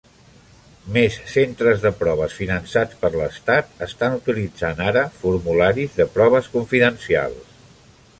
Més centres de proves finançats per l'estat, estan utilitzant ara formularis de proves confidencials.